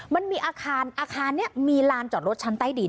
มันมีอาคารอาคารนี้มีลานจอดรถชั้นใต้ดิน